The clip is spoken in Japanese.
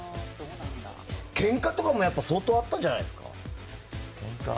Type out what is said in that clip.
ケンカとかも相当あったんじゃないですか？